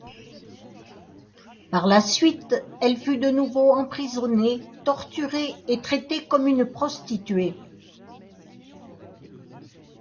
Par la suite, elle fut de nouveau emprisonnée, torturée et traitée comme une prostituée.